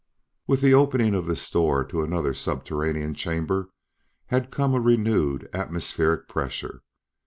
With the opening of this door to another subterranean chamber had come a renewed atmospheric pressure.